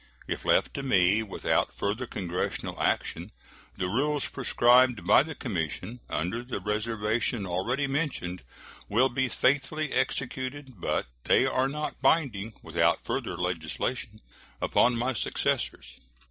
If left to me, without further Congressional action, the rules prescribed by the commission, under the reservation already mentioned, will be faithfully executed; but they are not binding, without further legislation, upon my successors.